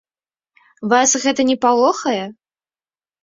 Вас гэта не палохае?